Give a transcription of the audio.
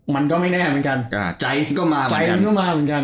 มันก็ไม่แน่เหมือนกัน